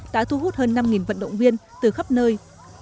đã thu hút hơn năm vận động viên từ khắp nơi